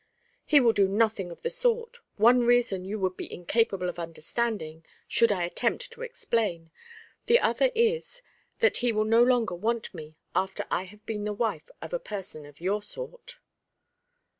"He will do nothing of the sort. One reason you would be incapable of understanding, should I attempt to explain; the other is, that he will no longer want me after I have been the wife of a person of your sort."